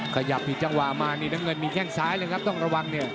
ขยับผิดจังหวะมานี่น้ำเงินมีแข้งซ้ายเลยครับต้องระวังเนี่ย